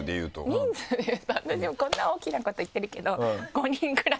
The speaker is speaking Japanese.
人数で言うと私こんな大きなこと言ってるけど５人ぐらい。